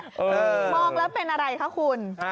มองแล้วเป็นอะไรคะคุณ